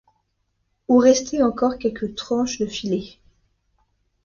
où restaient encore quelques tranches de filet.